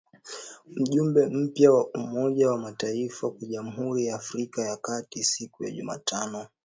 Mjumbe mpya wa Umoja wa mataifa kwa Jamhuri ya Afrika ya kati siku ya Jumatano